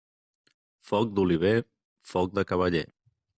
Foc d'oliver, foc de cavaller.